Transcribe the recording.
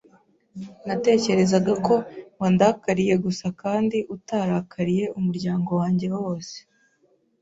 Natekerezaga ko wandakariye gusa kandi utarakariye umuryango wanjye wose.